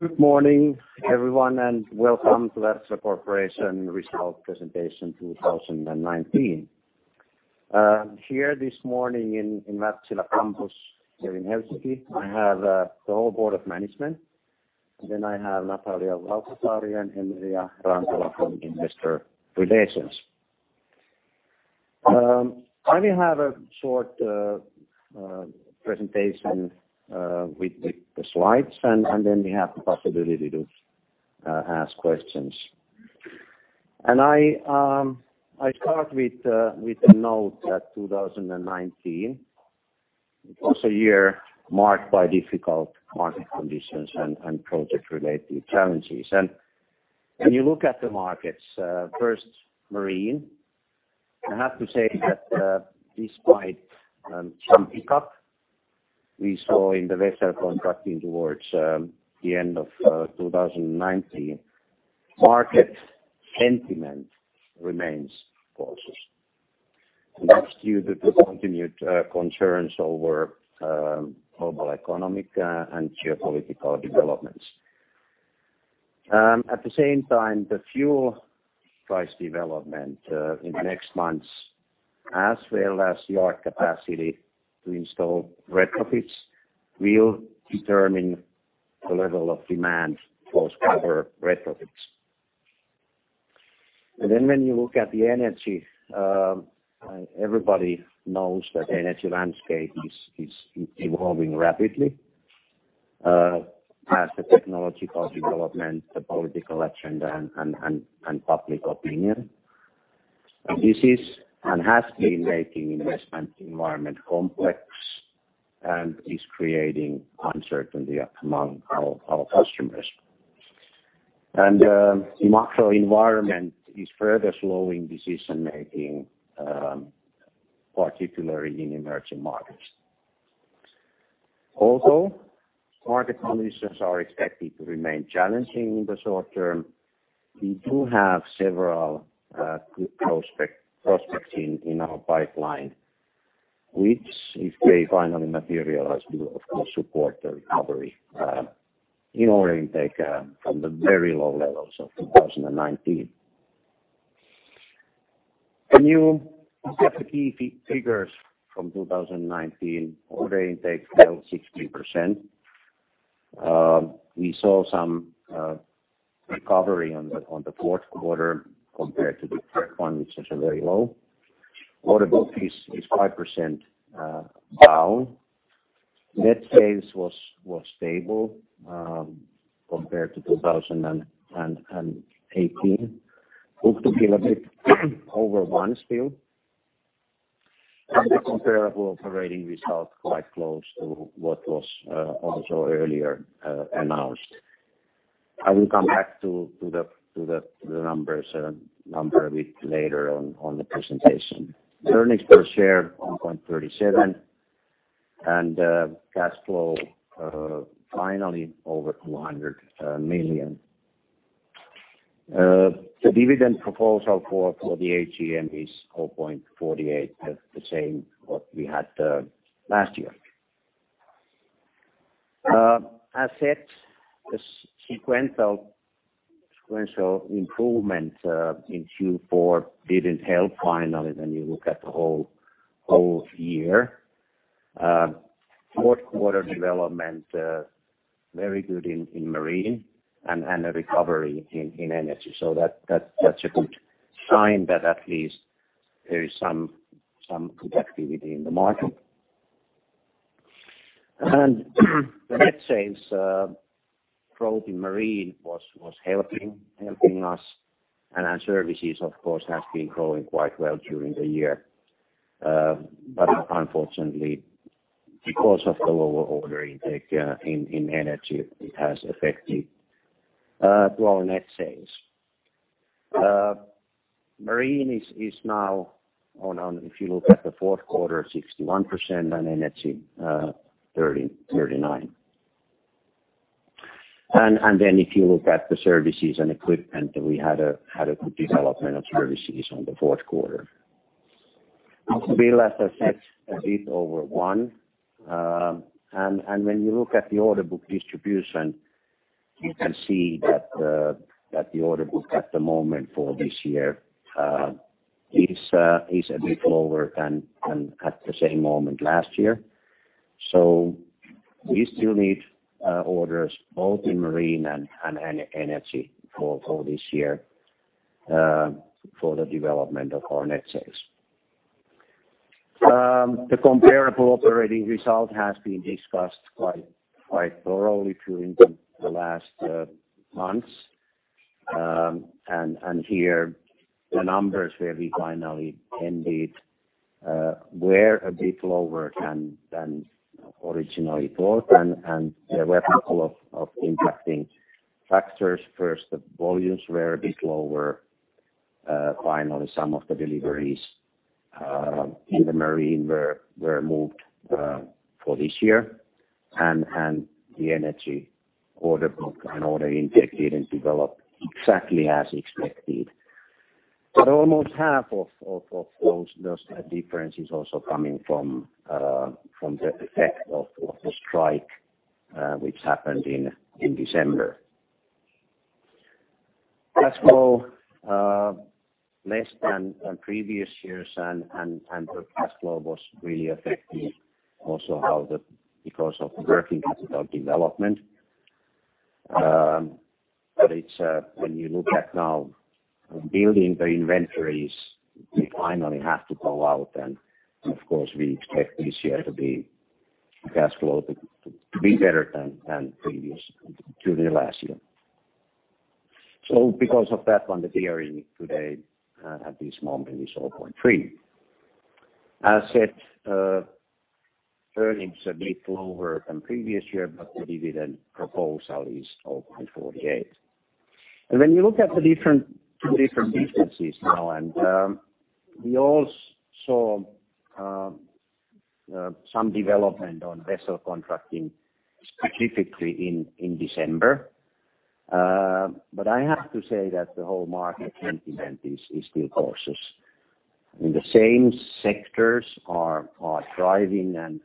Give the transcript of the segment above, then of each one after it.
Good morning, everyone, welcome to Wärtsilä Corporation Results Presentation 2019. Here this morning in Wärtsilä campus here in Helsinki, I have the whole board of management. I have Natalia Valtasaari and Emilia Rantala from Investor Relations. I will have a short presentation with the slides, then we have the possibility to ask questions. I start with a note that 2019 was a year marked by difficult market conditions and project-related challenges. When you look at the markets, first, Marine, I have to say that despite some pickup we saw in the vessel contracting towards the end of 2019, market sentiment remains cautious. That's due to the continued concerns over global economic and geopolitical developments. At the same time, the fuel price development in the next months, as well as yard capacity to install retrofits, will determine the level of demand for scrubber retrofits. When you look at the Energy, everybody knows that energy landscape is evolving rapidly as the technological development, the political agenda, and public opinion. This is and has been making investment environment complex and is creating uncertainty among our customers. The macro environment is further slowing decision-making, particularly in emerging markets. Although market conditions are expected to remain challenging in the short term, we do have several good prospects in our pipeline, which, if they finally materialize, will of course support the recovery in order intake from the very low levels of 2019. When you look at the key figures from 2019, order intake fell 16%. We saw some recovery on the fourth quarter compared to the third one, which was very low. Order book is 5% down. Net sales was stable compared to 2018. Book-to-bill a bit over one still. The comparable operating result quite close to what was also earlier announced. I will come back to the numbers a bit later on the presentation. Earnings per share, 1.37 and cash flow finally over 200 million. The dividend proposal for the AGM is 0.48, the same what we had last year. As said, the sequential improvement in Q4 did entail finally when you look at the whole year. Fourth quarter development very good in Marine and a recovery in Energy, that's a good sign that at least there is some good activity in the market. The net sales growth in Marine was helping us. Our Services, of course, has been growing quite well during the year. Unfortunately, because of the lower order intake in Energy, it has affected our net sales. Marine is now on, if you look at the fourth quarter, 61% and Energy 39. If you look at the Services and equipment, we had a good development of Services on the fourth quarter. Book-to-bill, as I said, a bit over one. When you look at the order book distribution, you can see that the order book at the moment for this year is a bit lower than at the same moment last year. We still need orders both in Marine and Energy for this year for the development of our net sales. The comparable operating result has been discussed quite thoroughly during the last months. Here the numbers where we finally ended were a bit lower than originally thought, and there were a couple of impacting factors. First, the volumes were a bit lower. Some of the deliveries in the Marine were moved for this year, and the Energy order book and order intake didn't develop exactly as expected. Almost half of those differences also coming from the effect of the strike which happened in December. Cash flow less than previous years, the cash flow was really affected also because of working capital development. When you look at now building the inventories, we finally have to go out, and of course, we expect this year the cash flow to be better than during the last year. Because of that, the gearing today at this moment is 0.3. As said, earnings a bit lower than previous year, but the dividend proposal is 0.48. When you look at the two different businesses now, and we also saw some development on vessel contracting specifically in December. I have to say that the whole market sentiment is still cautious. I mean, the same sectors are thriving and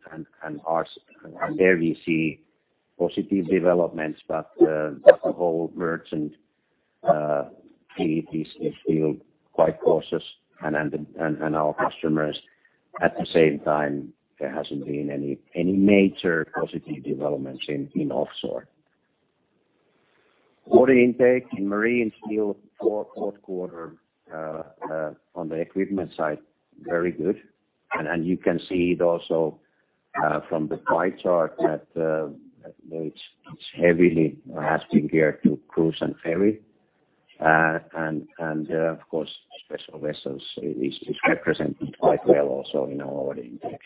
there we see positive developments, the whole merchant fleet is still quite cautious and our customers at the same time, there hasn't been any major positive developments in offshore. Order intake in Marine stayed for fourth quarter on the equipment side, very good. You can see it also from the pie chart that it heavily has been geared to cruise and ferry. Of course, special vessels is represented quite well also in our order intake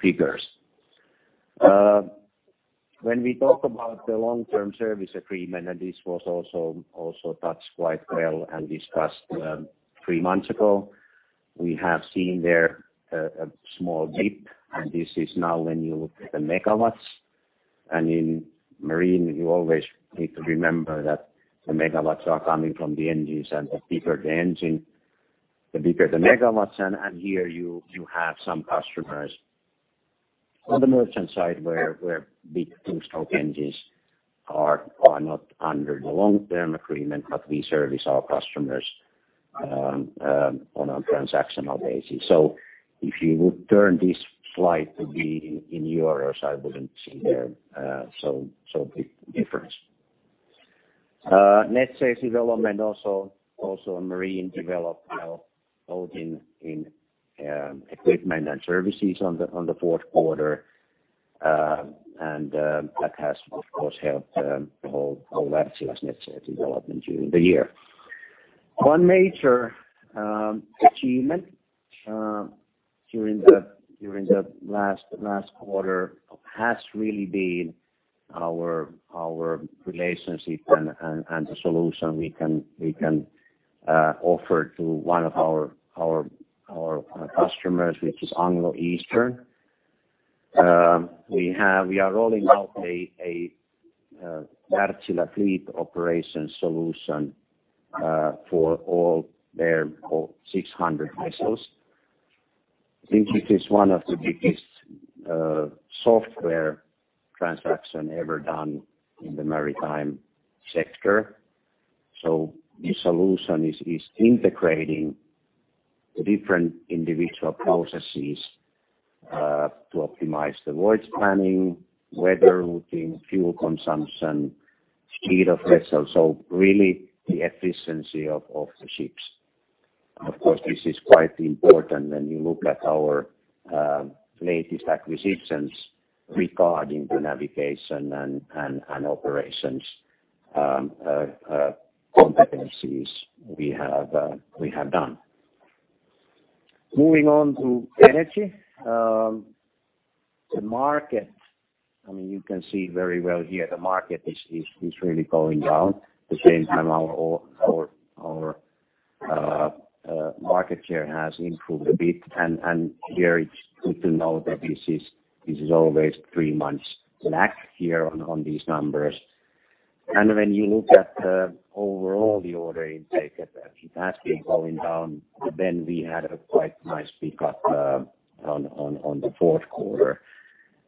figures. When we talk about the long-term service agreement, this was also touched quite well and discussed three months ago, we have seen there a small dip, this is now when you look at the megawatts. In Marine, you always need to remember that the megawatts are coming from the engines, and the bigger the engine, the bigger the megawatts, and here you have some customers on the merchant side where big two-stroke engines are not under the long-term agreement, but we service our customers on a transactional basis. If you would turn this slide to be in EUR, I wouldn't see there so big difference. Net sales development also in Marine developed well, both in equipment and services on the fourth quarter. That has, of course, helped the whole Wärtsilä net sales development during the year. One major achievement during the last quarter has really been our relationship and the solution we can offer to one of our customers, which is Anglo-Eastern. We are rolling out a Wärtsilä Fleet Operations Solution for all their 600 vessels. I think it is one of the biggest software transaction ever done in the maritime sector. The solution is integrating the different individual processes to optimize the voyage planning, weather routing, fuel consumption, speed of vessels. Really the efficiency of the ships. Of course, this is quite important when you look at our latest acquisitions regarding the navigation and operations competencies we have done. Moving on to Energy. The market, I mean, you can see very well here the market is really going down the same time our market share has improved a bit, and here it's good to know that this is always three months lag here on these numbers. When you look at overall the order intake, it has been going down, but then we had a quite nice pick up on the fourth quarter.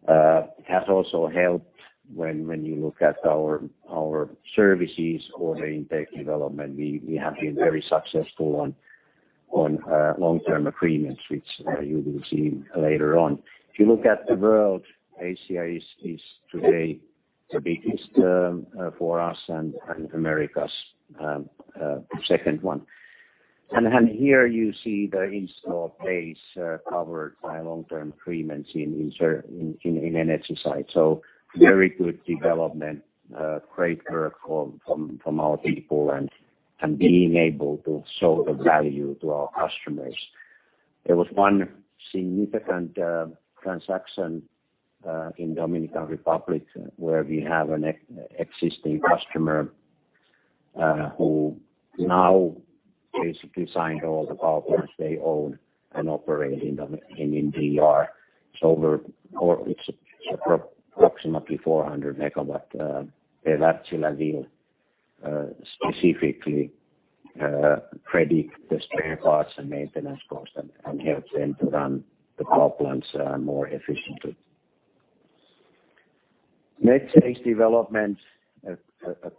It has also helped when you look at our services order intake development, we have been very successful on long-term agreements, which you will see later on. If you look at the world, Asia is today the biggest for us and Americas second one. Here you see the installed base covered by long-term agreements in Energy side. Very good development, great work from our people and being able to show the value to our customers. There was one significant transaction in Dominican Republic where we have an existing customer who now basically signed all the power plants they own and operate in DR. It's approximately 400 MW, a Wärtsilä deal. Specifically predict the spare parts and maintenance cost and help them to run the power plants more efficiently. Net sales development, a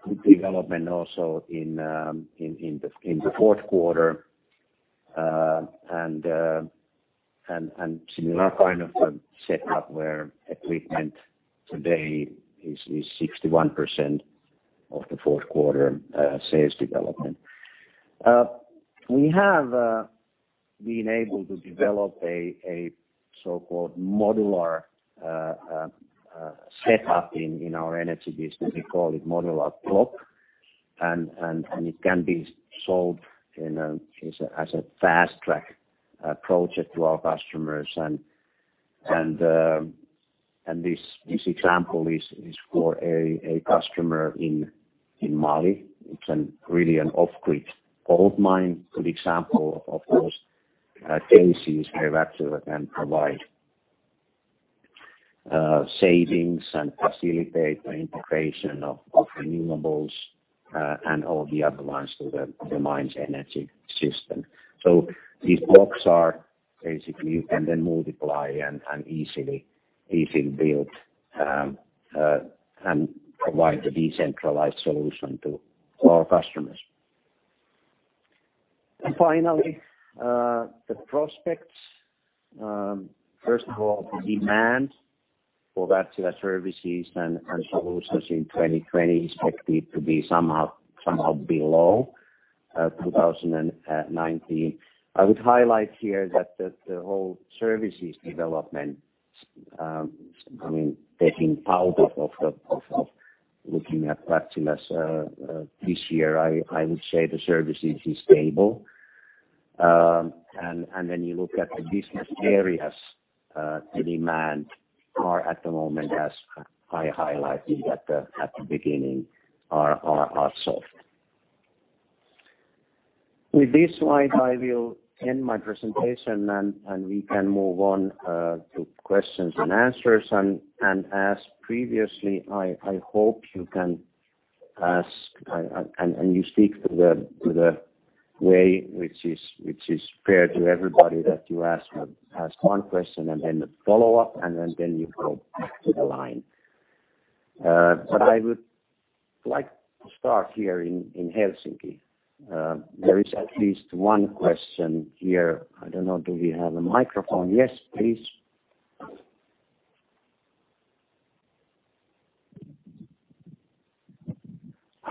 good development also in the fourth quarter, and similar kind of setup where equipment today is 61% of the fourth quarter sales development. We have been able to develop a so-called modular setup in our energy business. We call it Modular Block, and it can be sold as a fast-track approach to our customers. This example is for a customer in Mali. It's really an off-grid gold mine. Good example of those cases where Wärtsilä can provide savings and facilitate the integration of renewables, and all the other ones to the mine's energy system. These blocks are basically, you can then multiply and easily build and provide the decentralized solution to our customers. Finally, the prospects, first of all, the demand for Wärtsilä services and solutions in 2020 is expected to be somehow below 2019. I would highlight here that the whole services development, taking out of looking at Wärtsilä's this year, I would say the services is stable. When you look at the business areas, the demand are at the moment as I highlighted at the beginning, are soft. With this slide, I will end my presentation and we can move on to questions and answers. As previously, I hope you can ask and you speak to the way which is fair to everybody that you ask one question and then the follow-up, and then you go back to the line. I would like to start here in Helsinki. There is at least one question here. I don't know, do we have a microphone? Yes, please.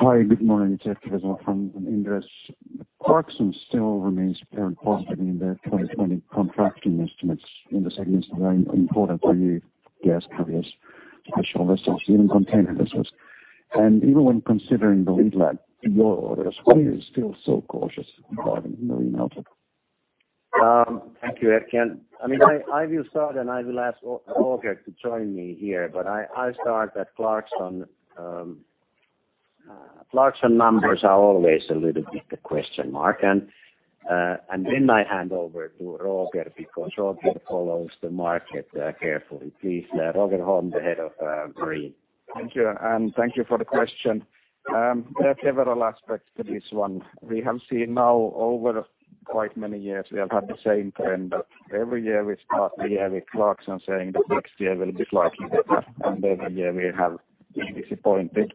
Hi, good morning. It's Erkki Vesola from Inderes. Clarksons still remains very positive in their 2020 contracting estimates in the segments that are important for you, gas carriers, special vessels, even container vessels. Even when considering the lead lag in your orders, why are you still so cautious providing the new note? Thank you, Erkki. I will start, and I will ask Roger to join me here, but I'll start that Clarksons numbers are always a little bit a question mark. I hand over to Roger because Roger follows the market carefully. Please, Roger Holm, the head of marine. Thank you, thank you for the question. There are several aspects to this one. We have seen now over quite many years, we have had the same trend that every year we start the year with Clarksons saying that next year will be slightly better, and every year we have been disappointed.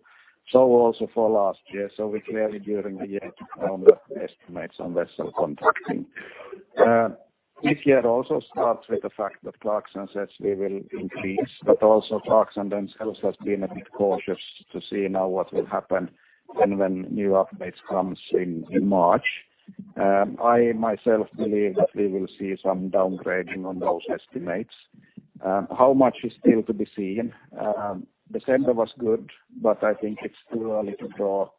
Also, for last year. We clearly during the year downward estimates on vessel contracting. This year also starts with the fact that Clarksons says we will increase, but also Clarksons themselves has been a bit cautious to see now what will happen when new updates comes in March. I myself believe that we will see some downgrading on those estimates. How much is still to be seen? December was good, but I think it's too early to draw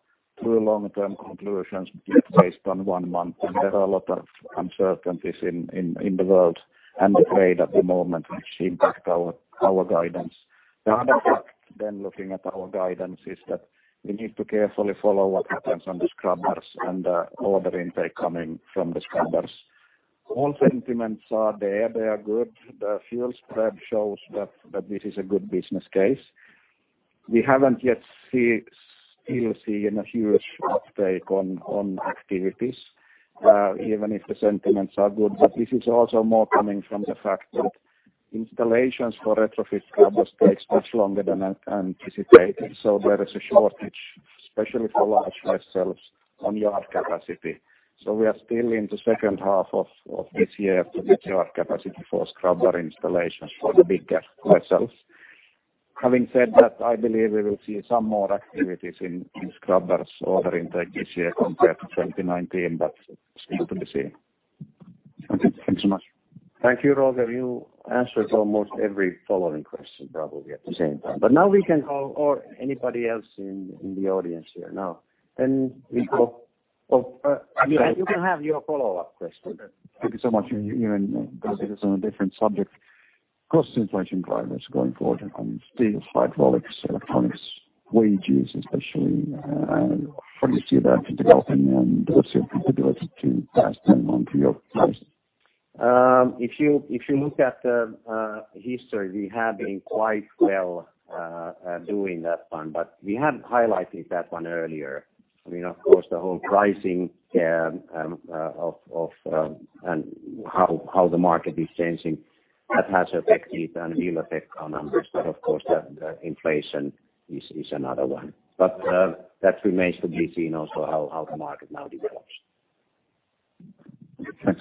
too long-term conclusions based on one month, and there are a lot of uncertainties in the world and the trade at the moment which impact our guidance. The other fact looking at our guidance is that we need to carefully follow what happens on the scrubbers and order intake coming from the scrubbers. All sentiments are there. They are good. The fuel spread shows that this is a good business case. We haven't yet still seen a huge uptake on activities, even if the sentiments are good. This is also more coming from the fact that installations for retrofit scrubbers takes much longer than anticipated. There is a shortage, especially for large vessels on yard capacity. We are still in the second half of this year to get yard capacity for scrubber installations for the bigger vessels. Having said that, I believe we will see some more activities in scrubber order intake this year compared to 2019, but still to be seen. Okay, thanks so much. Thank you, Roger. You answered almost every following question probably at the same time. Now we can call or anybody else in the audience here now. You can have your follow-up question. Okay. Thank you so much. Even this is on a different subject. Cost inflation drivers going forward on steels, hydraulics, electronics, wages, especially. How do you see that developing, and what's your capability to pass them on to your customers? If you look at the history, we have been quite well doing that one, but we have highlighted that one earlier. The whole pricing and how the market is changing, that has affected and a real effect on numbers. The inflation is another one. That remains to be seen also how the market now develops. Thanks.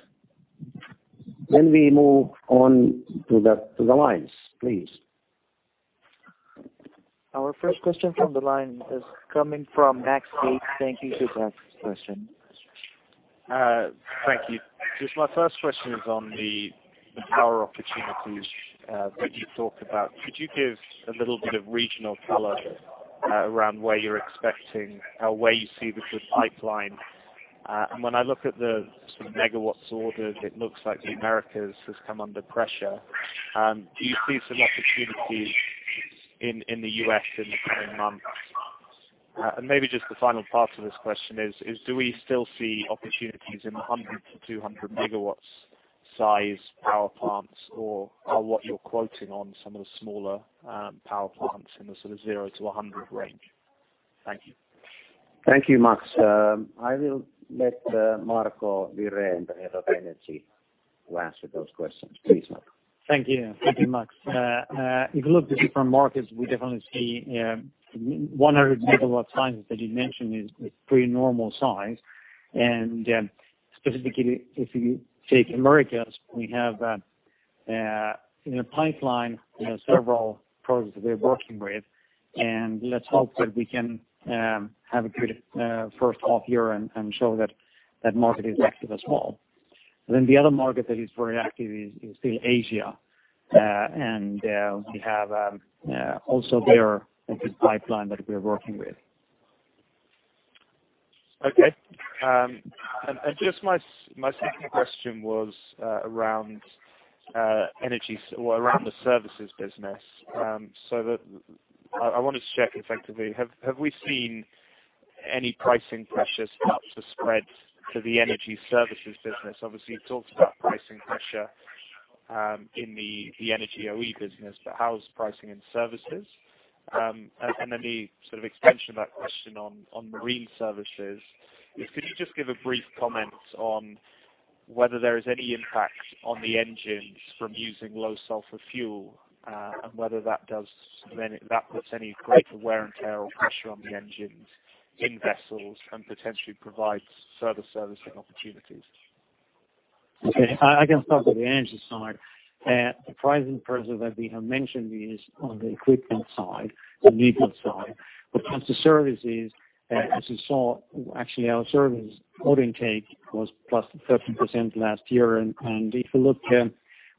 We move on to the lines, please. Our first question from the line is coming from Max Yates. Thank you. Just my first question is on the power opportunities that you talked about. Could you give a little bit of regional color around where you're expecting or where you see the good pipeline? When I look at the megawatts orders, it looks like the Americas has come under pressure. Do you see some opportunities in the U.S. in the coming months? Maybe just the final part of this question is, do we still see opportunities in 100-200 MW size power plants, or are what you're quoting on some of the smaller power plants in the zero to 100 range? Thank you. Thank you, Max. I will let Marco Wirén, the head of energy to answer those questions. Please, Marco. Thank you, Max. If you look at different markets, we definitely see 100 megawatt sizes that you mentioned is pretty normal size. Specifically, if you take Americas, we have in the pipeline, several projects that we're working with, and let's hope that we can have a good first half year and show that that market is active as well. The other market that is very active is still Asia, we have also there a good pipeline that we're working with. Okay. Just my second question was around the services business. I want to check effectively, have we seen any pricing pressures start to spread to the Energy services business? Obviously, you talked about pricing pressure in the Energy OE business, but how's pricing in services? Then the sort of extension of that question on marine services is, could you just give a brief comment on whether there is any impact on the engines from using low sulfur fuel and whether that puts any greater wear and tear or pressure on the engines in vessels and potentially provides further servicing opportunities? I can start with the energy side. The pricing pressure that we have mentioned is on the equipment side, the new build side. When it comes to services, as you saw, actually, our service order intake was plus 13% last year. If you look,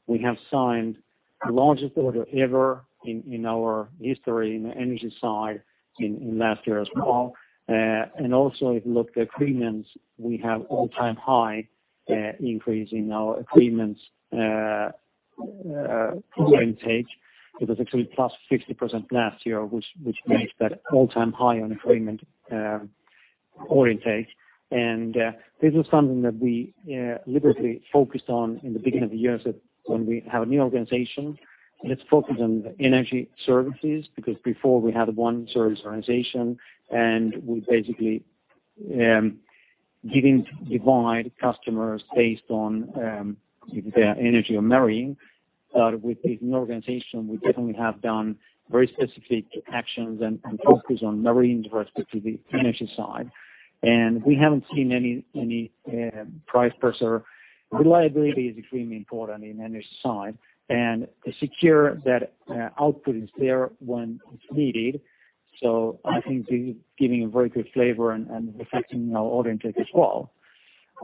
we have signed the largest order ever in our history in the energy side in last year as well. If you look at agreements, we have all-time high increase in our agreements order intake. It was actually plus 60% last year, which makes that all-time high on agreement order intake. This is something that we deliberately focused on in the beginning of the year, said when we have a new organization, let's focus on the energy services, because before we had one service organization, and we basically divide customers based on if they are energy or marine. With this new organization, we definitely have done very specific actions and focus on marine versus the energy side. We haven't seen any price pressure. Reliability is extremely important in energy side, and to secure that output is there when it's needed. I think this is giving a very good flavor and affecting our order intake as well.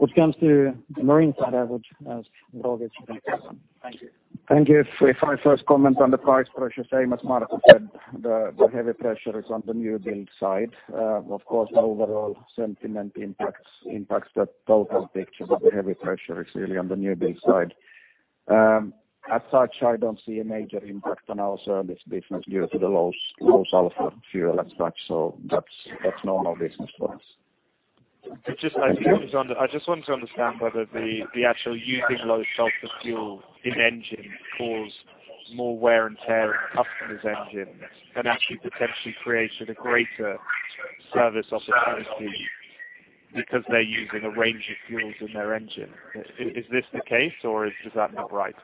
What comes to the marine side, I would ask Roger to take this one. Thank you. Thank you. If I first comment on the price pressure, same as Marco said, the heavy pressure is on the new build side. Of course, the overall sentiment impacts the total picture, but the heavy pressure is really on the new build side. As such, I don't see a major impact on our service business due to the low sulfur fuel as such. That's normal business for us. I just wanted to understand whether the actual using low sulfur fuel in engine cause more wear and tear on the customer's engine and actually potentially creates a greater service opportunity because they're using a range of fuels in their engine. Is this the case or does that not right?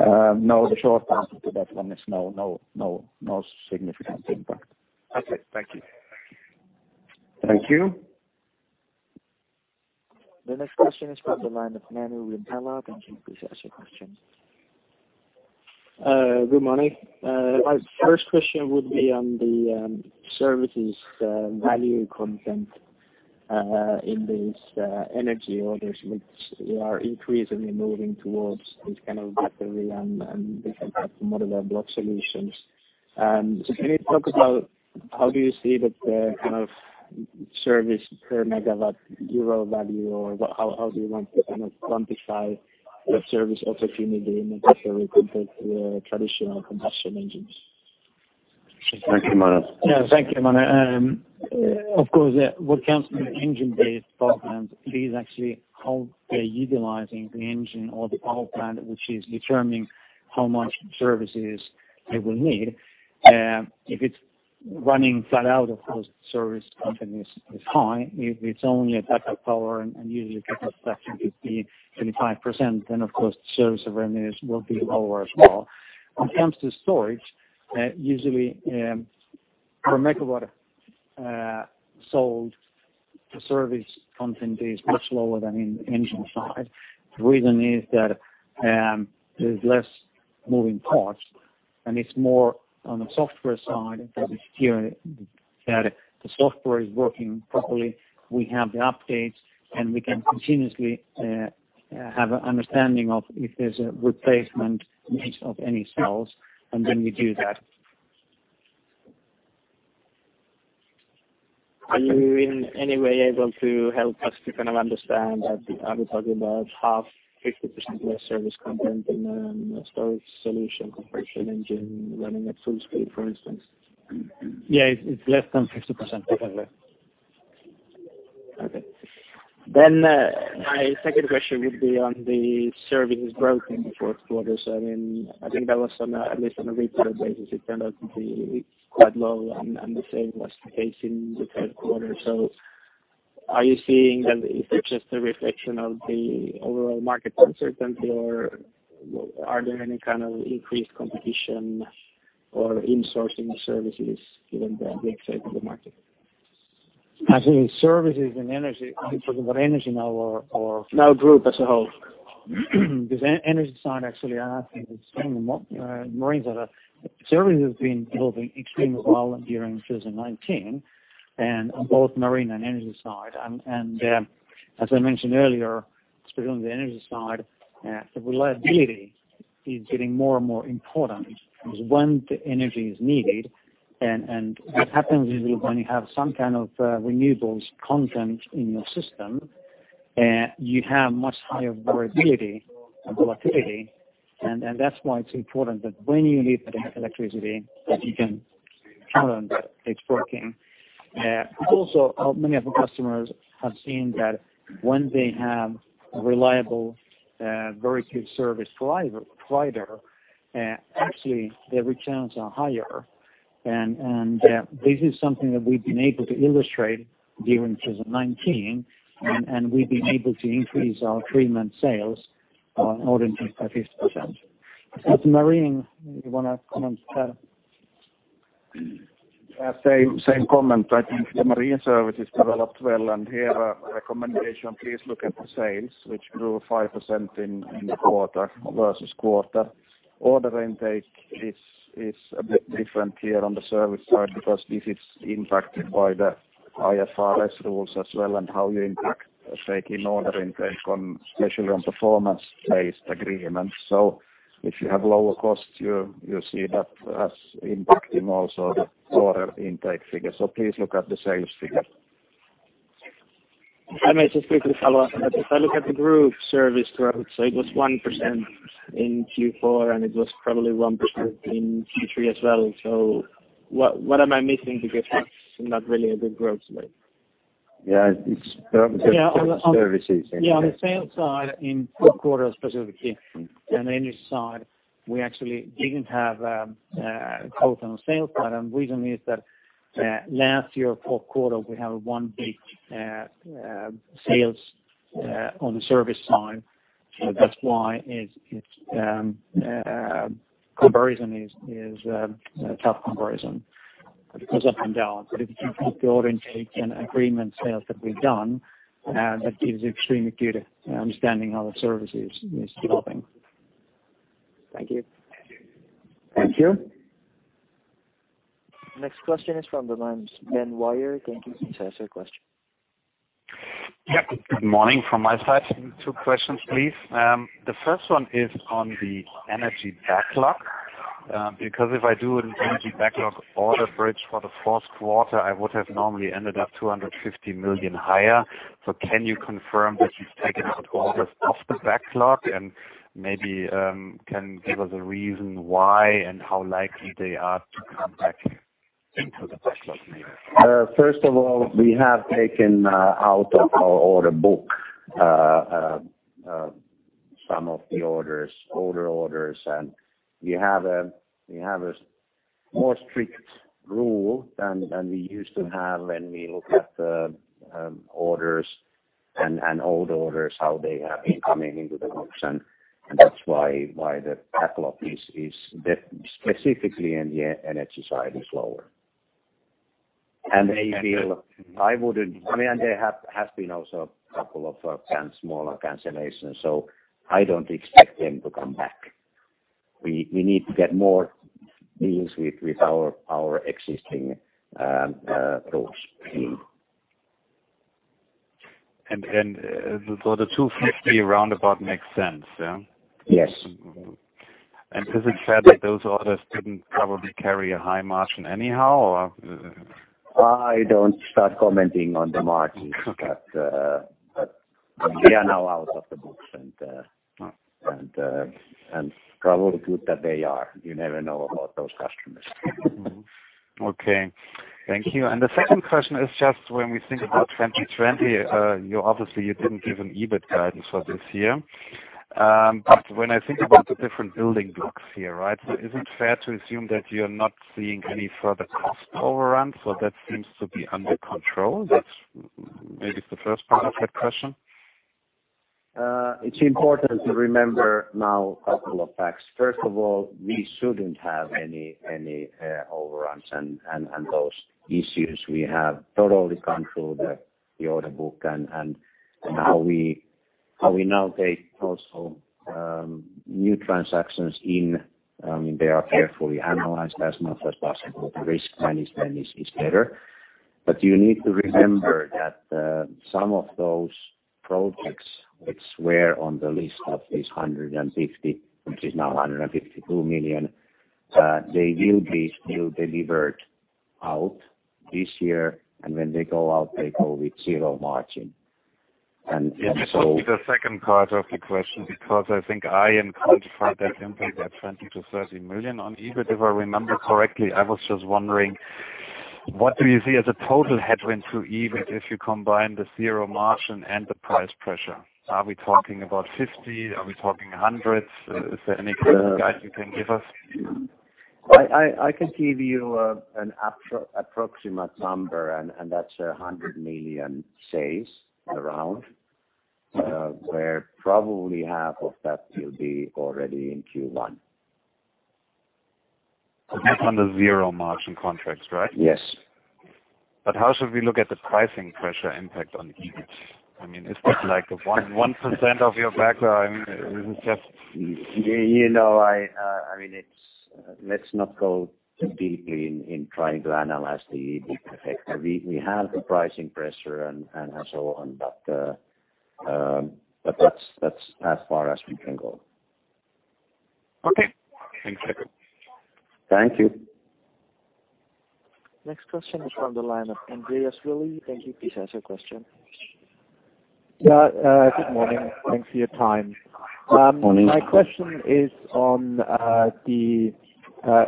No, the short answer to that one is no significant impact. Okay. Thank you. Thank you. The next question is from the line of Manu Rimpelä. Thank you. Please ask your question. Good morning. My first question would be on the services value content in these energy orders, which we are increasingly moving towards this kind of battery and different types of Modular Block solutions. Can you talk about how do you see that kind of service per megawatt euro value, or how do you want to kind of quantify that service opportunity in the future compared to traditional combustion engines? Thank you, Manu. Yeah. Thank you, Manu. Of course, what comes to the engine-based power plant is actually how they're utilizing the engine or the power plant, which is determining how much services they will need. If it's running flat out, of course, service content is high. If it's only a backup power and usually backup power could be 25%, then of course, the service revenues will be lower as well. When it comes to storage, usually per megawatt sold, the service content is much lower than in engine side. The reason is that there's less moving parts, and it's more on the software side that we ensure that the software is working properly, we have the updates, and we can continuously have an understanding of if there's a replacement need of any cells, and then we do that. Are you in any way able to help us to kind of understand, are we talking about 50% less service content in a storage solution compared to an engine running at full speed, for instance? Yeah. It is less than 50% typically. My second question would be on the services growth in the fourth quarter. I mean, I think that was at least on a retail basis, it turned out to be quite low and the same was the case in the third quarter. Are you seeing that, is it just a reflection of the overall market uncertainty, or are there any kind of increased competition or insourcing of services given the big size of the market? I think services and energy, are you talking about energy now? No, group as a whole. This energy side, actually, I think it's more marine side. Service has been developing extremely well during 2019 and on both marine and energy side. As I mentioned earlier, especially on the energy side, the reliability is getting more and more important because when the energy is needed and what happens is when you have some kind of renewables content in your system, you have much higher variability and volatility. That's why it's important that when you need that electricity, that you can count on that it's working. Also, many of the customers have seen that when they have a reliable, very good service provider, actually their returns are higher and this is something that we've been able to illustrate during 2019, and we've been able to increase our agreement sales by 50%. As marine, you want to comment here? Yeah, same comment. I think the marine service has developed well and here a recommendation, please look at the sales, which grew 5% in the quarter-over-quarter. Order intake is a bit different here on the service side because this is impacted by the IFRS rules as well and how you impact, say, in order intake on, especially on performance-based agreements. If you have lower costs, you see that as impacting also the order intake figure. Please look at the sales figure. If I may just quickly follow up. If I look at the group service growth, it was 1% in Q4 and it was probably 1% in Q3 as well. What am I missing? That's not really a good growth rate. Yeah. It's services. Yeah. On the sales side, in fourth quarter specifically on the energy side, we actually didn't have growth on the sales side. Reason is that last year, fourth quarter, we had one big sales on the service side. That's why its comparison is a tough comparison. It goes up and down. If you look at the order intake and agreement sales that we've done, that gives extremely good understanding how the services is developing. Thank you. Thank you. Next question is from the lines, Sven Weier. Thank you, please ask your question. Good morning from my side. Two questions, please. The first one is on the energy backlog. If I do an energy backlog order bridge for the fourth quarter, I would have normally ended up 250 million higher. Can you confirm that you've taken out orders off the backlog and maybe can give us a reason why and how likely they are to come back into the backlog later? First of all, we have taken out of our order book some of the orders, older orders, and we have a more strict rule than we used to have when we look at the orders and old orders, how they have been coming into the books, and that's why the backlog is, specifically in the energy side, is lower. They feel, I mean, and there have been also a couple of small cancellations, so I don't expect them to come back. We need to get more deals with our existing books. The 250 roundabout makes sense, yeah? Yes. Is it fair that those orders didn't probably carry a high margin anyhow? I don't start commenting on the margins. Okay. They are now out of the books and probably good that they are. You never know about those customers. Okay. Thank you. The second question is just when we think about 2020, obviously, you didn't give an EBIT guidance for this year. When I think about the different building blocks here, is it fair to assume that you're not seeing any further cost overruns, so that seems to be under control? That's maybe the first part of that question. It's important to remember now a couple of facts. First of all, we shouldn't have any overruns and those issues. We have totally controlled the order book and how we now take also new transactions in. They are carefully analyzed as much as possible. The risk management is better. You need to remember that some of those projects which were on the list of this 150, which is now 152 million, they will be still delivered out this year. When they go out, they go with zero margin. Yes, this will be the second part of the question, because I think I am confident that impact that 20 million-30 million on EBIT, if I remember correctly. I was just wondering, what do you see as a total headwind to EBIT if you combine the zero margin and the price pressure? Are we talking about 50? Are we talking EUR hundreds? Is there any kind of guide you can give us? I can give you an approximate number, and that's 100 million saves around, where probably half of that will be already in Q1. That's on the zero-margin contracts, right? Yes. How should we look at the pricing pressure impact on EBIT? Is that like 1% of your background? Let's not go too deeply in trying to analyze the EBIT effect. We have the pricing pressure and so on, but that's as far as we can go. Okay. Thanks, Jaakko. Thank you. Next question is from the line of Andreas Willi. Thank you. Please ask your question. Yeah. Good morning. Thanks for your time. Morning. My question is on the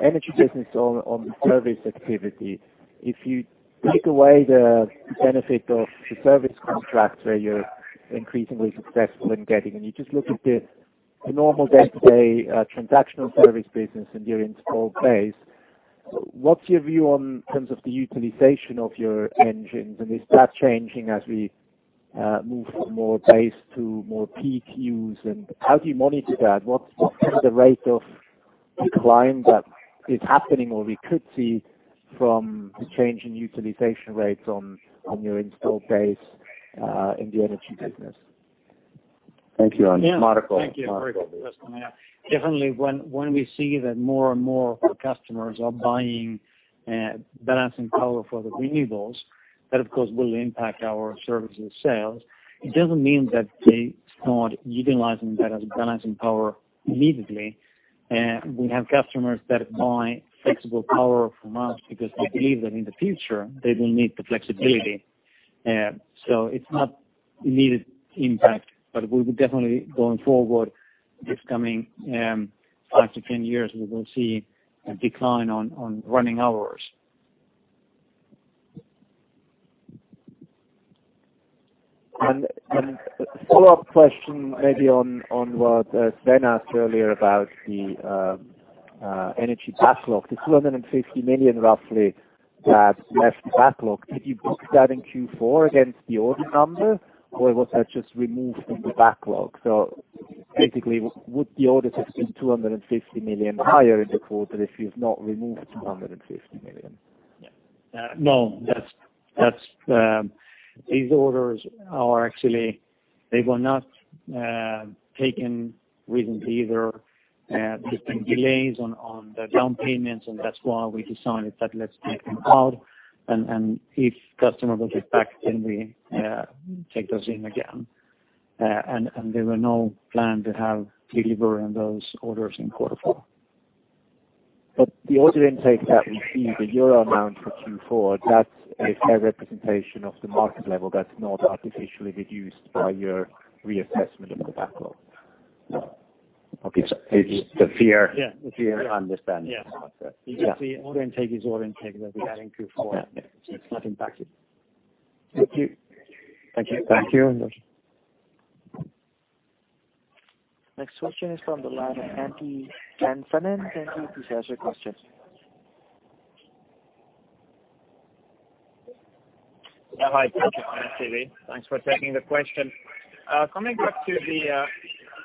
Energy business on service activity. If you take away the benefit of the service contracts where you're increasingly successful in getting, you just look at the normal day-to-day transactional service business and your installed base, what's your view on terms of the utilization of your engines? Is that changing as we move from more base to more peak use? How do you monitor that? What's the rate of decline that is happening or we could see from the change in utilization rates on your installed base in the Energy business? Thank you. Marco. Thank you. Marco. Great question. Yeah. Definitely when we see that more and more of our customers are buying balancing power for the renewables, that of course will impact our services sales. It doesn't mean that they start utilizing that as balancing power immediately. We have customers that buy flexible power from us because they believe that in the future, they will need the flexibility. It's not immediate impact, but we would definitely going forward this coming 5-10 years, we will see a decline on running hours. A follow-up question maybe on what Sven asked earlier about the energy backlog, the 250 million roughly that left the backlog. Did you book that in Q4 against the order number, or was that just removed from the backlog? Basically, would the order have been 250 million higher in the quarter if you've not removed 250 million? No. These orders are actually, they were not taken recently either. There's been delays on the down payments, and that's why we decided that let's take them out, and if customer will get back, then we take those in again. There were no plan to have deliver on those orders in quarter four. The order intake that we see, the EUR amount for Q4, that's a fair representation of the market level that's not artificially reduced by your reassessment of the backlog? Okay. So it's the fear- Yeah. The fear understanding. Yeah. Exactly. Order intake is order intake that we had in Q4. Okay. It's not impacted. Thank you. Thank you. Thank you, Andreas. Next question is from the line of Antti Kansanen. Thank you. Please ask your question. Hi. Thank you, Antti. Thanks for taking the question. Coming back to the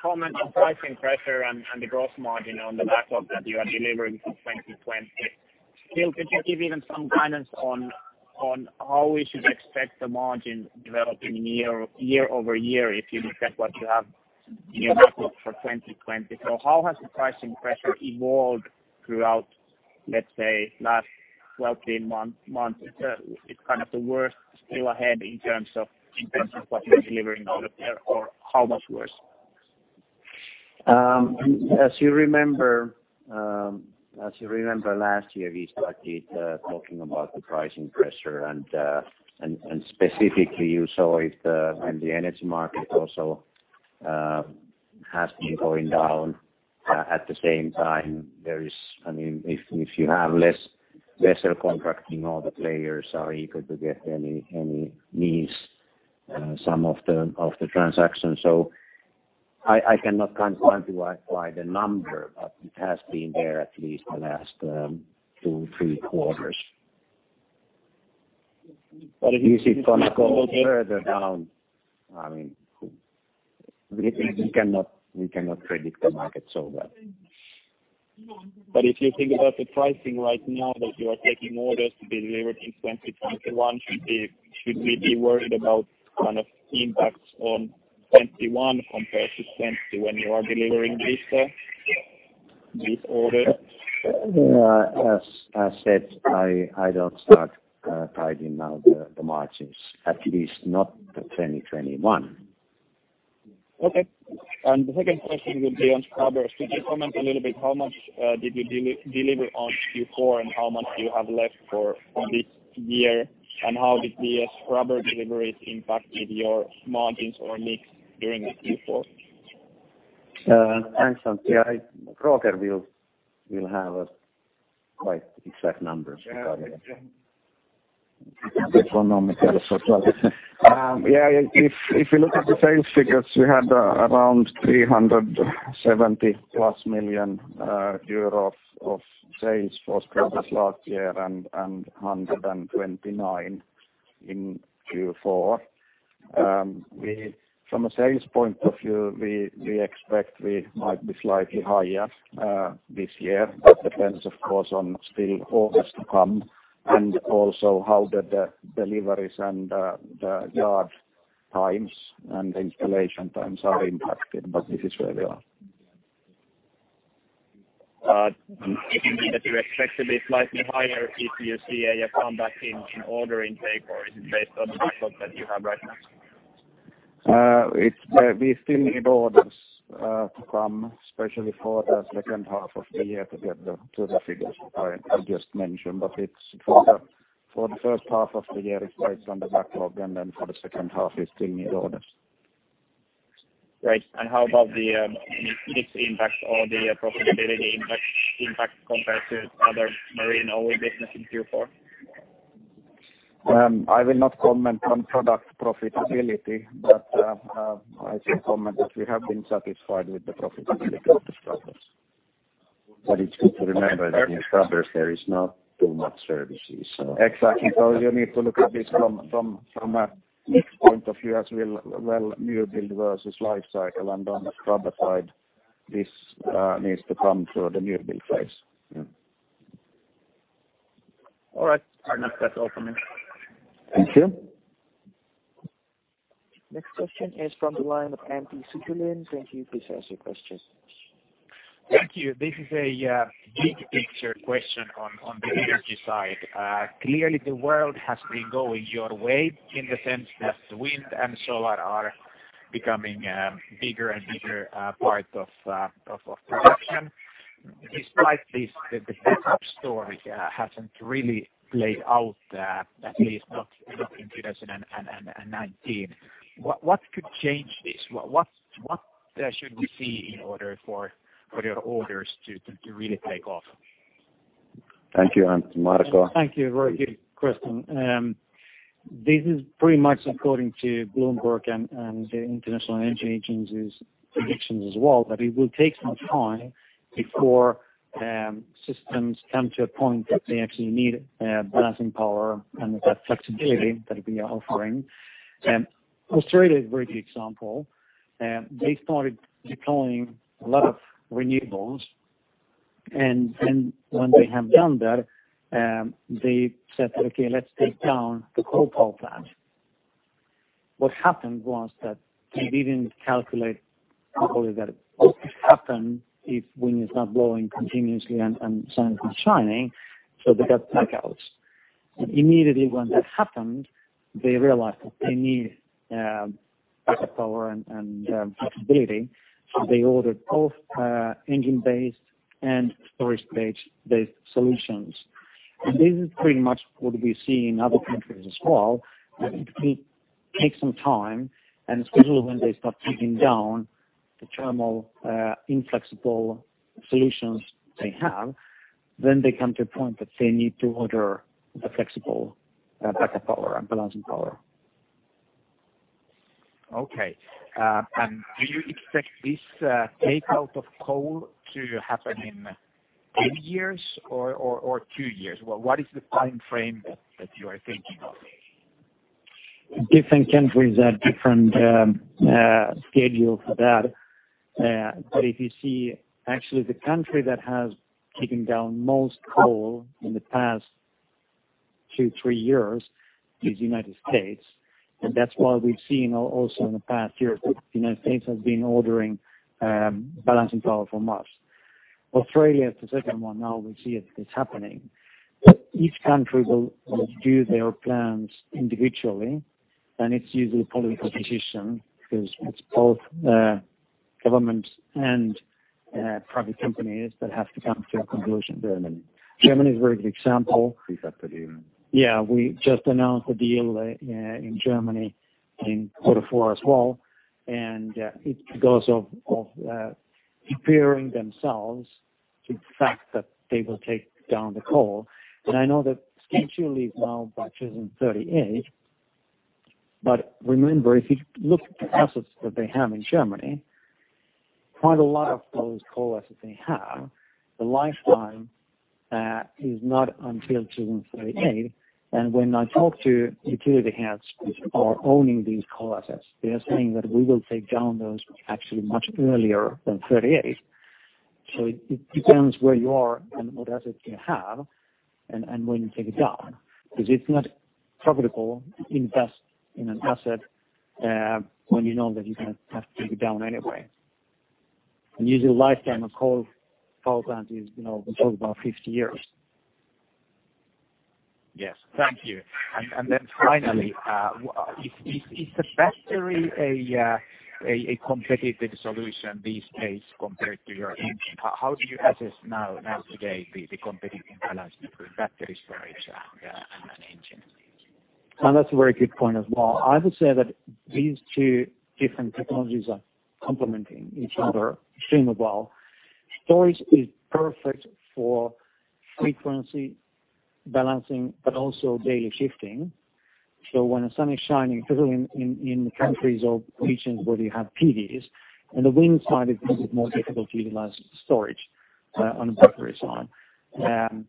comment on pricing pressure and the gross margin on the backlog that you are delivering for 2020. Still, could you give even some guidance on how we should expect the margin developing year-over-year if you look at what you have in your backlog for 2020? How has the pricing pressure evolved throughout, let's say, last 12-18 months? It's kind of the worst still ahead in terms of what you're delivering order or how much worse? As you remember last year, we started talking about the pricing pressure specifically you saw it when the energy market also has been going down at the same time. If you have less contracting, all the players are eager to get at least some of the transactions. I cannot quantify the number, but it has been there at least the last two, three quarters. Is it going to go further down? We cannot predict the market so well. If you think about the pricing right now that you are taking orders to be delivered in 2021, should we be worried about kind of impacts on 2021 compared to 2020 when you are delivering these orders? As I said, I don't start guiding now the margins, at least not the 2021. Okay. The second question would be on scrubbers. Could you comment a little bit, how much did you deliver on Q4 and how much do you have left for this year? How did the scrubber deliveries impacted your margins or mix during Q4? Thanks, Antti. Roger will have quite exact numbers. Yeah. Economical as well. Yeah. If you look at the sales figures, we had around 370 million euro plus of sales for scrubbers last year and 129 in Q4. From a sales point of view, we expect we might be slightly higher this year. Depends of course, on still orders to come and also how the deliveries and the yard times and the installation times are impacted. This is where we are. You expect to be slightly higher if you see a comeback in order intake or is it based on the backlog that you have right now? We still need orders to come, especially for the second half of the year to get to the figures I just mentioned. For the first half of the year, it's based on the backlog and then for the second half we still need orders. Great. How about the mix impact or the profitability impact compared to other marine OE business in Q4? I will not comment on product profitability, but I can comment that we have been satisfied with the profitability of the scrubbers. It's good to remember that in scrubbers there is not too much services. Exactly. You need to look at this from a mix point of view as well, new build versus life cycle. On the scrubber side, this needs to come through the new build phase. All right. That's all for me. Thank you. Next question is from the line of Antti Suttelin. Thank you. Please ask your questions. Thank you. This is a big picture question on the energy side. Clearly the world has been going your way in the sense that wind and solar are becoming bigger and bigger part of production. Despite this, the backup story hasn't really played out, at least not in 2019. What could change this? What should we see in order for your orders to really take off? Thank you, Antti. Marco. Thank you, Antti. Good question. This is pretty much according to Bloomberg and the International Energy Agency's predictions as well, that it will take some time before systems come to a point that they actually need balancing power and that flexibility that we are offering. Australia is a great example. They started deploying a lot of renewables, and then when they have done that, they said, "Okay, let's take down the coal power plant." What happened was that they didn't calculate properly that what would happen if wind is not blowing continuously and sun is not shining, so they got blackouts. Immediately when that happened, they realized that they need backup power and flexibility. They ordered both engine-based and storage-based solutions. This is pretty much what we see in other countries as well. It will take some time, and especially when they start taking down the thermal inflexible solutions they have, then they come to a point that they need to order the flexible backup power and balancing power. Okay. Do you expect this take out of coal to happen in 10 years or two years? What is the time frame that you are thinking of? Different countries have different schedule for that. If you see actually the country that has taken down most coal in the past two, three years is United States. That's why we've seen also in the past year that United States has been ordering balancing power from us. Australia is the second one now we see it is happening. Each country will do their plans individually, and it's usually a political decision because it's both government and private companies that have to come to a conclusion there. Germany is a very good example. We have to do. Yeah, we just announced the deal in Germany in quarter four as well, it goes of preparing themselves to the fact that they will take down the coal. I know that schedule is now by 2038, remember, if you look at the assets that they have in Germany, quite a lot of those coal assets they have, the lifetime is not until 2038. When I talk to utility heads which are owning these coal assets, they are saying that we will take down those actually much earlier than 2038. It depends where you are and what assets you have and when you take it down, because it's not profitable to invest in an asset when you know that you're going to have to take it down anyway. Usually, the lifetime of coal plant is we talk about 50 years. Yes. Thank you. Then finally, is the battery a competitive solution these days compared to your engine? How do you assess now today the competitive balance between battery storage and an engine? That's a very good point as well. I would say that these two different technologies are complementing each other extremely well. Storage is perfect for frequency balancing but also daily shifting. When the sun is shining, particularly in countries or regions where you have PVs, on the wind side, it's a little bit more difficult to utilize storage on the battery side. When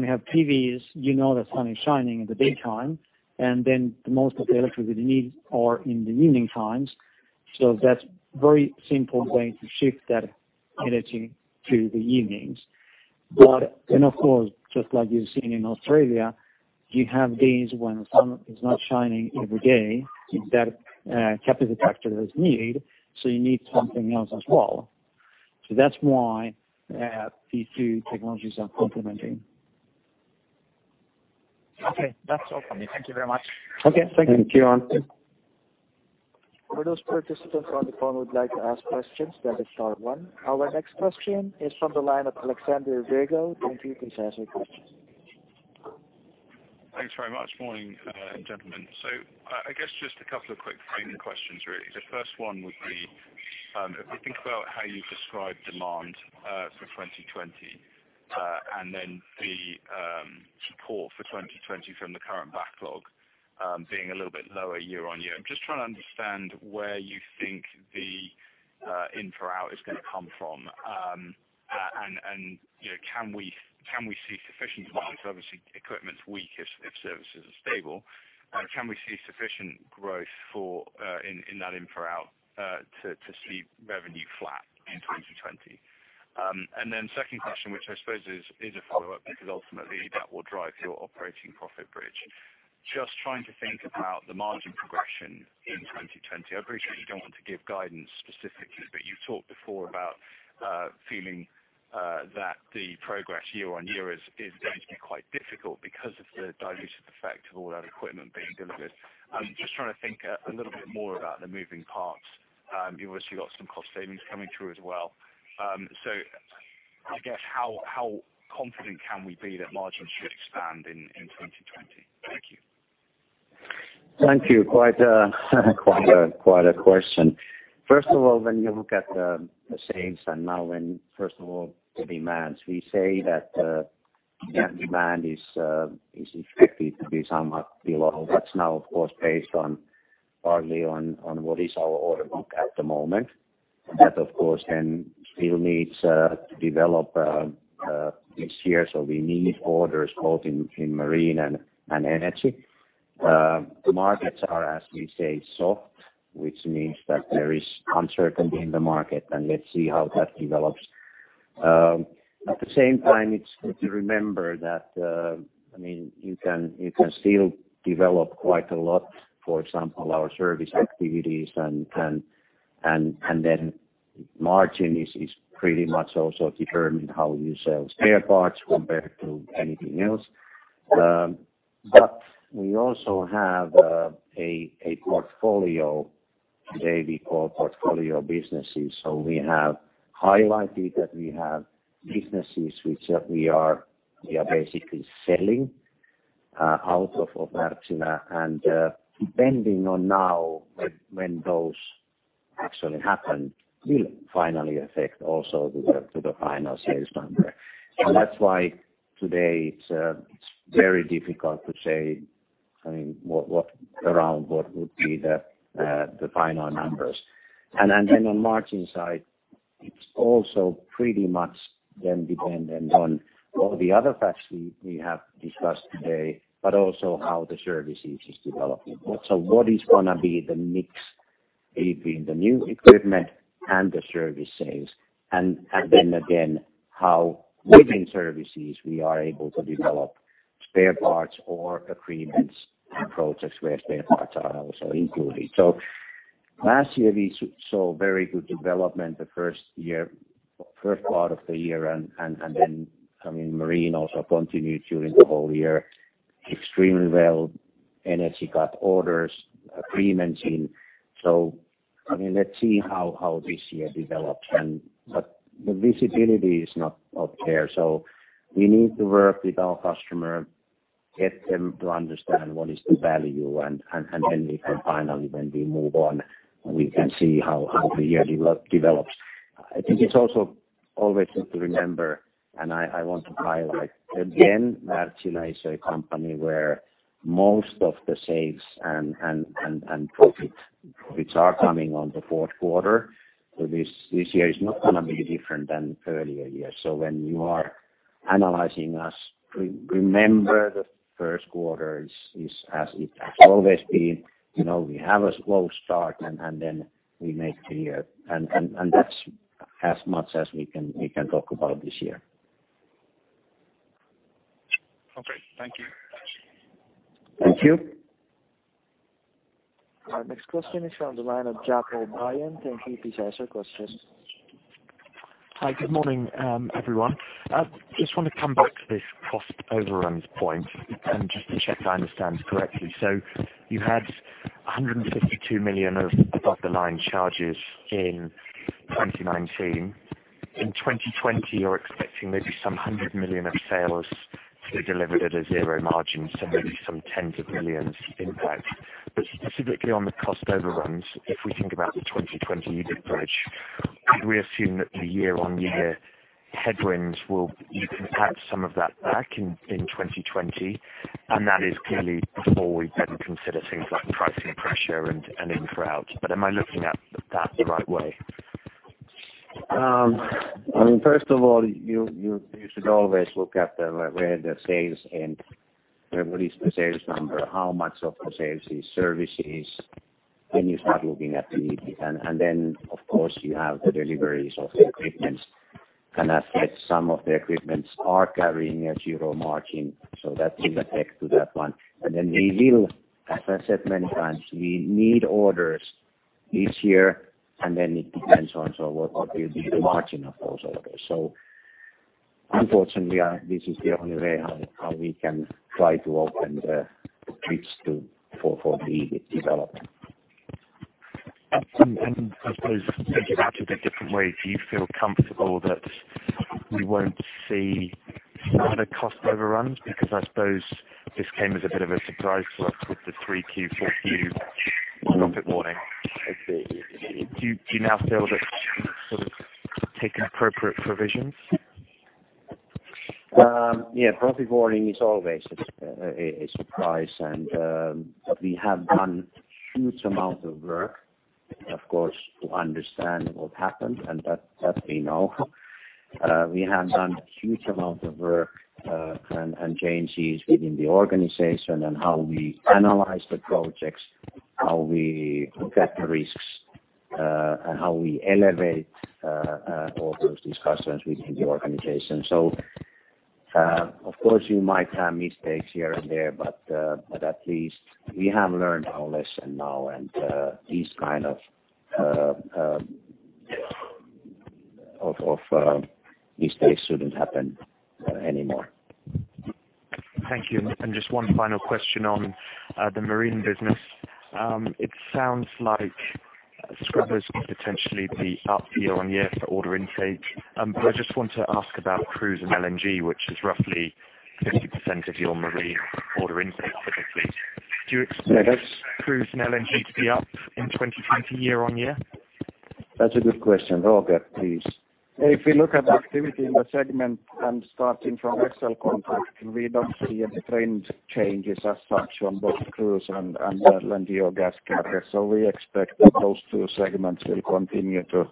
we have PVs, you know the sun is shining in the daytime, the most of the electricity needs are in the evening times. That's a very simple way to shift that energy to the evenings. Of course, just like you've seen in Australia, you have days when the sun is not shining every day that capacity factor is needed, you need something else as well. That's why these two technologies are complementing. Okay. That's all from me. Thank you very much. Okay. Thank you. Thank you. For those participants on the phone who would like to ask questions, press the star one. Our next question is from the line of Alexander Vega please ask your questions. Thanks very much. Morning, gentlemen. I guess just a couple of quick framing questions, really. The first one would be, if we think about how you describe demand for 2020, and then the support for 2020 from the current backlog being a little bit lower year-on-year, I am just trying to understand where you think the infra outlook is going to come from. Can we see sufficient demand? Obviously, equipment's weak if services are stable. Can we see sufficient growth in that infra outlook to see revenue flat in 2020? Second question, which I suppose is a follow-up, because ultimately that will drive your operating profit bridge. Just trying to think about the margin progression in 2020. I appreciate you don't want to give guidance specifically, but you've talked before about feeling that the progress year-on-year is going to be quite difficult because of the dilutive effect of all that equipment being delivered. I'm just trying to think a little bit more about the moving parts. You've obviously got some cost savings coming through as well. I guess, how confident can we be that margins should expand in 2020? Thank you. Thank you. Quite a question. First of all, when you look at the savings and now when, first of all, the demands, we say that net demand is expected to be somewhat below. That's now, of course, based partly on what is our order book at the moment. That, of course, then still needs to develop this year. We need orders both in marine and energy. The markets are, as we say, soft, which means that there is uncertainty in the market, and let's see how that develops. At the same time, it's good to remember that you can still develop quite a lot, for example, our service activities, and then margin is pretty much also determined how you sell spare parts compared to anything else. We also have a portfolio today we call portfolio businesses. We have highlighted that we have businesses which we are basically selling out of Wärtsilä, and depending on now when those actually happen, will finally affect also to the final sales number. That's why today it's very difficult to say around what would be the final numbers. Then on margin side, it's also pretty much then dependent on all the other facts we have discussed today, but also how the services is developing. What is going to be the mix between the new equipment and the service sales, and then again, how within services we are able to develop spare parts or agreements and projects where spare parts are also included. Last year, we saw very good development the first part of the year, and then Marine also continued during the whole year extremely well. Energy got orders, agreements in. Let's see how this year develops. The visibility is not there. We need to work with our customer, get them to understand what is the value, and then we can finally, when we move on, we can see how the year develops. I think it's also always good to remember, and I want to highlight again, Wärtsilä is a company where most of the sales and profit, which are coming on the fourth quarter, so this year is not going to be different than earlier years. When you are analyzing us, remember the first quarter is as it has always been. We have a slow start, and then we make the year. That's as much as we can talk about this year. Okay. Thank you. Thank you. Our next question is from the line of Japo Bryant. Thank you. Please ask your question. Hi. Good morning everyone. Just want to come back to this cost overruns point and just to check that I understand correctly. You had 152 million of above the line charges in 2019. In 2020, you're expecting maybe some 100 million of sales to be delivered at a zero margin, so maybe some tens of millions impact. Specifically on the cost overruns, if we think about the 2020 EBIT bridge, could we assume that the year-on-year headwinds, you can pack some of that back in 2020, and that is clearly before we then consider things like pricing pressure and infra outlooks. Am I looking at that the right way? First of all, you should always look at where the sales and what is the sales number, how much of the sales is services, then you start looking at the EBIT. Then, of course, you have the deliveries of the equipment, can affect some of the equipment are carrying a zero margin. That will affect to that one. Then we will, as I said many times, we need orders this year, and then it depends on what will be the margin of those orders. Unfortunately, this is the only way how we can try to open the bridge for the development. I suppose thinking about it a bit different way, do you feel comfortable that we won't see other cost overruns? I suppose this came as a bit of a surprise to us with the 3Q, 4Q profit warning. Do you now feel that you've sort of taken appropriate provisions? Yeah. Profit warning is always a surprise, but we have done huge amounts of work, of course, to understand what happened and that we know. We have done huge amounts of work and changes within the organization on how we analyze the projects, how we look at the risks, how we elevate all those discussions within the organization. Of course you might have mistakes here and there, but at least we have learned our lesson now, and these kind of mistakes shouldn't happen anymore. Thank you. Just one final question on the Marine business. It sounds like scrubbers will potentially be up year-on-year for order intake. I just want to ask about cruise and LNG, which is roughly 50% of your Marine order intake typically. Do you expect- Yeah, that's- Cruise and LNG to be up in 2020 year-on-year? That's a good question. Roger, please. If we look at the activity in the segment and starting from vessel contracting, we don't see any trend changes as such on both cruise and LNG or gas carriers. We expect that those two segments will continue to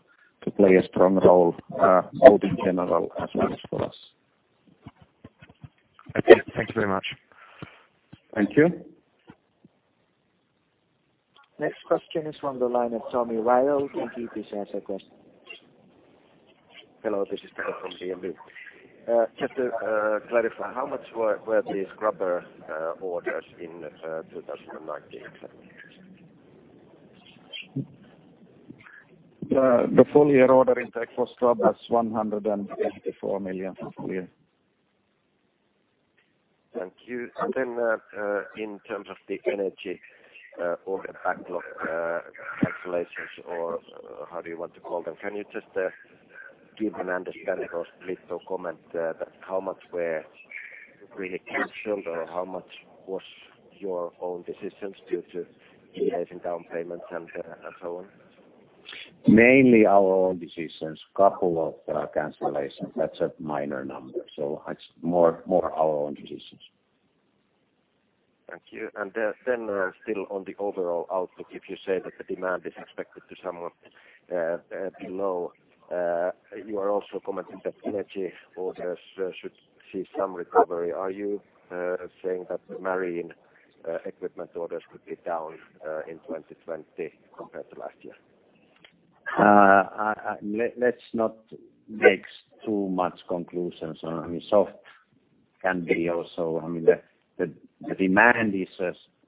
play a strong role out in general as well as for us. Okay. Thank you very much. Thank you. Next question is from the line of Tommy Wile. Thank you. Please ask your question. Hello, this is Tommy from DNB. Just to clarify, how much were the scrubber orders in 2019? The full year order intake for scrubbers, 154 million for full year. Thank you. In terms of the energy order backlog calculations or how do you want to call them, can you just give an understanding or split or comment that how much were really canceled, or how much was your own decisions due to delaying down payments and so on? Mainly our own decisions, couple of cancellations. That's a minor number. It's more our own decisions. Thank you. Still on the overall outlook, if you say that the demand is expected to somewhat below, you are also commenting that energy orders should see some recovery. Are you saying that the Marine equipment orders could be down in 2020 compared to last year? Let's not make too much conclusions on. The demand is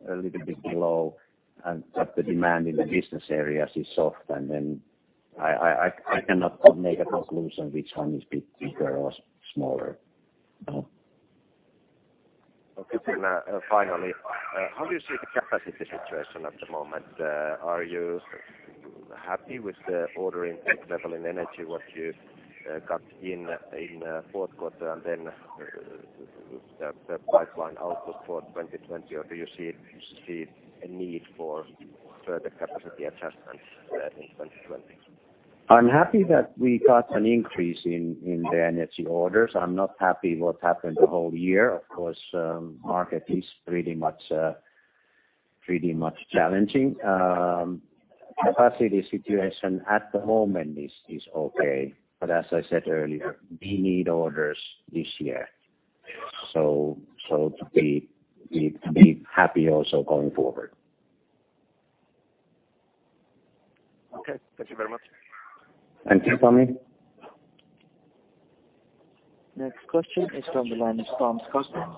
a little bit below, and that the demand in the business areas is soft. I cannot make a conclusion which one is bigger or smaller. Okay. Finally, how do you see the capacity situation at the moment? Are you happy with the ordering level in energy, what you got in fourth quarter and then the pipeline outlook for 2020? Do you see a need for further capacity adjustments in 2020? I'm happy that we got an increase in the energy orders. I'm not happy what happened the whole year. Market is pretty much challenging. Capacity situation at the moment is okay, but as I said earlier, we need orders this year to be happy also going forward. Okay. Thank you very much. Thank you, Tommy. Next question is from the line is Tom Skogman.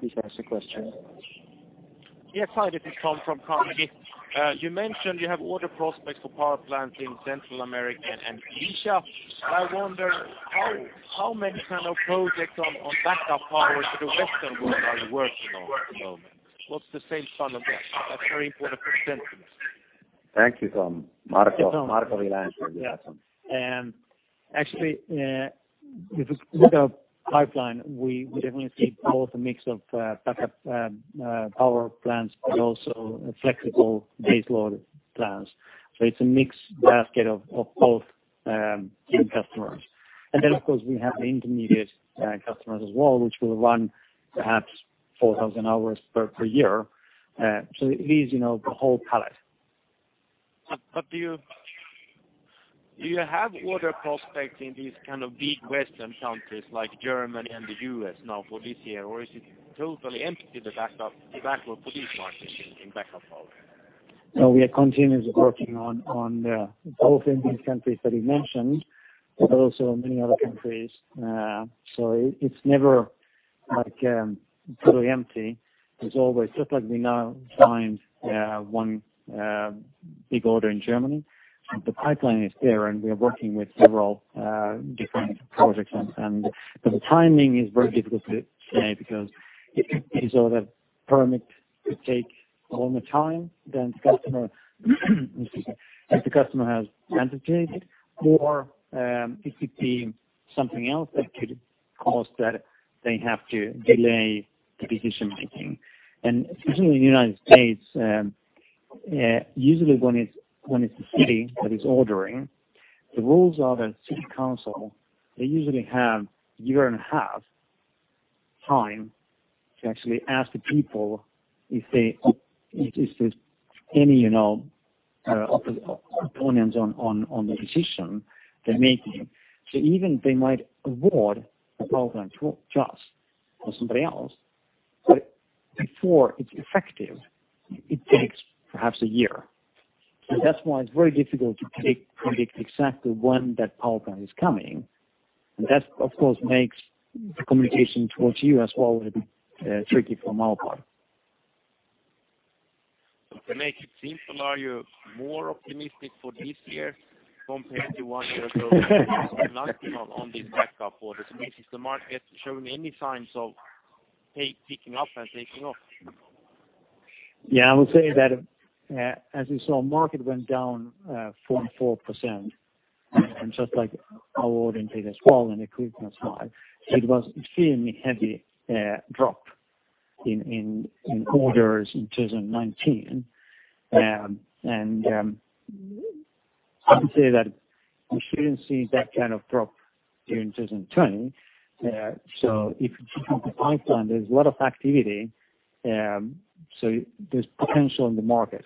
Please ask your question. Yes. Hi, this is Tom from Carnegie. You mentioned you have order prospects for power plants in Central America and Asia. I wonder how many kind of projects on backup power to the Western world are you working on at the moment? What's the safe ton of that? That's very important for sentiment. Thank you, Tom. Marco will answer this one. Yeah. Actually, if you look at our pipeline, we definitely see both a mix of backup power plants, but also flexible base load plants. It's a mixed basket of both kind of customers. Then, of course, we have the intermediate customers as well, which will run perhaps 4,000 hours per year. It is the whole palette. Do you have order prospects in these kind of big Western countries like Germany and the U.S. now for this year? Or is it totally empty, the backlog for these markets in backup power? We are continuously working on both in these countries that you mentioned, but also many other countries. It's never totally empty. Just like we now signed one big order in Germany. The pipeline is there, and we are working with several different projects, and the timing is very difficult to say because these sort of permits could take longer time than the customer has anticipated, or it could be something else that could cause that they have to delay the decision-making. Especially in the U.S., usually when it's the city that is ordering, the rules are that city council, they usually have a year and a half time to actually ask the people if there's any opponents on the decision they're making. Even they might award a power plant to us or somebody else, but before it's effective, it takes perhaps a year. That's why it's very difficult to predict exactly when that power plant is coming. That, of course, makes the communication towards you as well a little bit tricky from our part. To make it simple, are you more optimistic for this year compared to one year ago on this backup orders? Is the market showing any signs of picking up and taking off? Yeah, I would say that, as you saw, market went down 44%. Just like our order intake as well in 2019. It was extremely heavy drop in orders in 2019. I would say that we shouldn't see that kind of drop during 2020. If you look at the pipeline, there's a lot of activity, so there's potential in the market.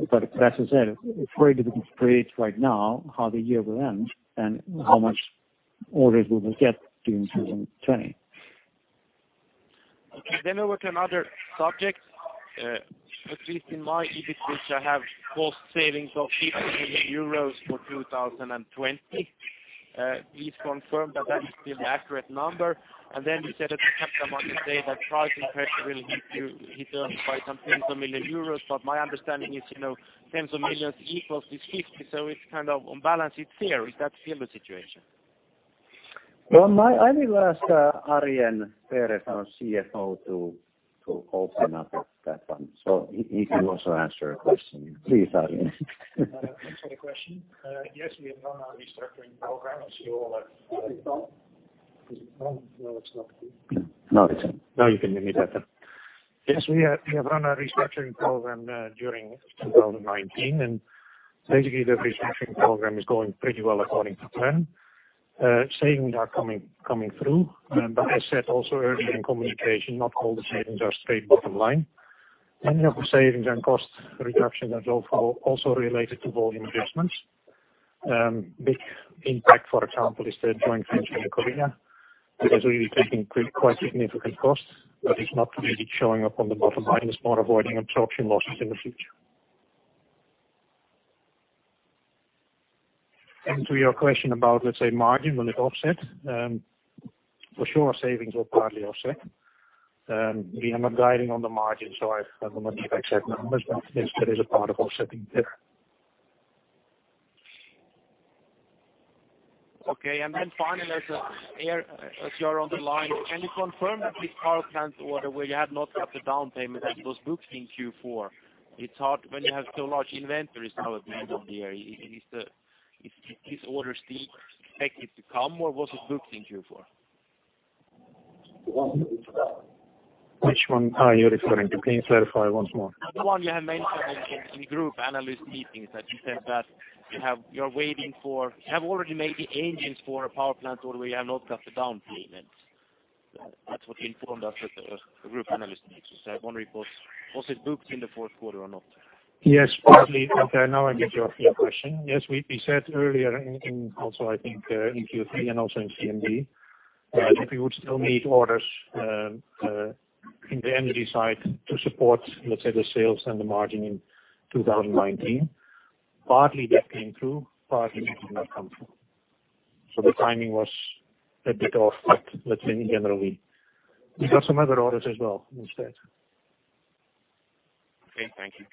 As I said, it's very difficult to predict right now how the year will end and how much orders we will get during 2020. Okay. Over to another subject. At least in my EBS, which I have cost savings of 50 million euros for 2020. Please confirm that that is still an accurate number. You said at the Capital Markets Day that pricing pressure will hit you by some tens of million EUR. My understanding is tens of millions equals this 50, so it's kind of on balance it's there. Is that still the situation? Well, I will ask Arjen Berends, our CFO, to open up that one. He can also answer a question. Please, Arjen. Thanks for the question. Yes, we have run a restructuring program. No, it's not. No, it's. Now you can hear me better. Yes, we have run a restructuring program during 2019, basically, the restructuring program is going pretty well according to plan. Savings are coming through. I said also earlier in communication, not all the savings are straight bottom line. Many of the savings and cost reduction are also related to volume adjustments. Big impact, for example, is the joint venture in Korea. Because we're taking quite significant costs that is not really showing up on the bottom line, it's more avoiding absorption losses in the future. To your question about, let's say margin, will it offset? For sure, savings will partly offset. We are not guiding on the margin, so I have not the exact numbers, but yes, there is a part of offsetting there. Okay. Finally, as you are on the line, can you confirm that this power plant order where you had not got the down payment, that it was booked in Q4? It's hard when you have so large inventories now at the end of the year. Is this order still expected to come, or was it booked in Q4? Which one are you referring to? Can you clarify once more? The one you have mentioned in group analyst meetings that you said that you have already made the engines for a power plant order where you have not got the down payment. That is what you informed us at the group analyst meetings. I wonder, was it booked in the fourth quarter or not? Yes, partly. Okay, now I get your question. Yes, we said earlier in also, I think, in Q3 and also in CMD, that we would still need orders in the energy side to support, let's say, the sales and the margin in 2019. Partly that came through, partly that did not come through. The timing was a bit off, but let's say generally, we got some other orders as well instead. Okay. Thank you.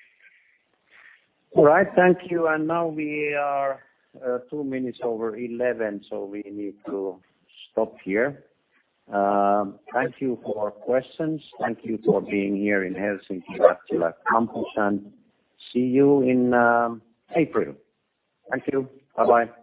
All right. Thank you. Now we are two minutes over 11, we need to stop here. Thank you for your questions. Thank you for being here in Helsinki at Wärtsilä Campus, see you in April. Thank you. Bye-bye.